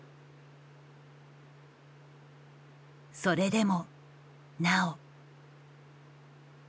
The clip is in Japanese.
それでもなお。